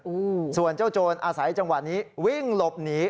อืมส่วนเจ้าโจรอาศัยจังหวะนี้วิ่งหลบหนี